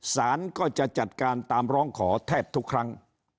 สารก็จะจัดการตามร้องขอแทบทุกครั้ง